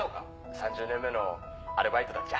３０年目のアルバイトだっちゃ。